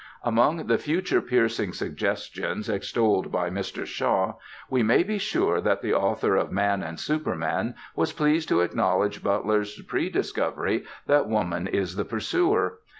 Among the "future piercing suggestions" extolled by Mr. Shaw we may be sure that the author of "Man and Superman" was pleased to acknowledge Butler's prediscovery that woman is the pursuer.